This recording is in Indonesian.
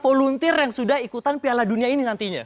volunteer yang sudah ikutan piala dunia ini nantinya